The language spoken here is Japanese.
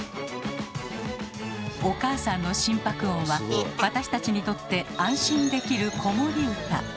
お母さんの心拍音は私たちにとって安心できる子守歌。